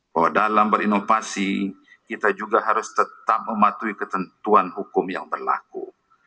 bahwa dalam berinovasi kita juga harus tetap mematuhi ketentuan hukum yang berlaku